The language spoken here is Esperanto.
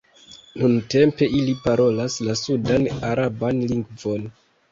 Nuntempe ili parolas la sudan-araban lingvon.